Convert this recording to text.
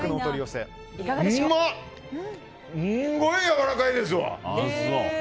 すんごいやわらかいです！